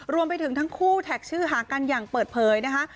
รวมไปถึงทั้งคู่แท็กชื่อหากันอย่างเปิดเผยนะคะ